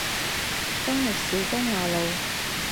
中壢市中華路